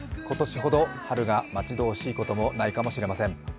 今年ほど春が待ち遠しいこともないかもしれません。